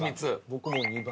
僕も２番。